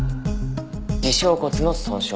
耳小骨の損傷。